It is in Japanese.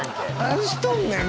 何しとんねん！